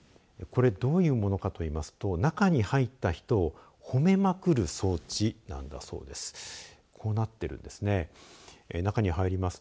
これどういうものかといいますと中に入った人を褒めまくる装置なんだそうです。